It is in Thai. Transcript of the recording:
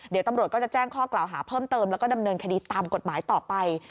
เดี๋ยวตำรวจก็จะแจ้งข้อกล่าวหาเพิ่มเติมแล้วก็ดำเนินคดีตามกฎหมายต่อไป